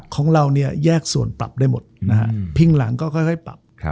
ของเราเนี่ยแยกส่วนปรับได้หมดนะครับ